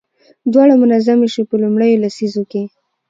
دواړه منظمې شوې. په لومړيو لسيزو کې